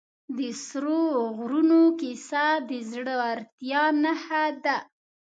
د سرو غرونو کیسه د زړه ورتیا نښه ده.